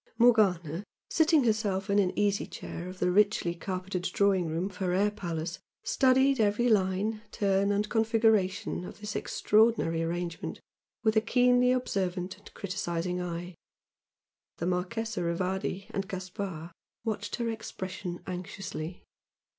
Morgana, seating herself in an easy chair of the richly carpeted "drawing room" of her "air palace," studied every line, turn and configuration of this extraordinary arrangement with a keenly observant and criticising eye. The Marchese Rivardi and Gaspard watched her expression anxiously.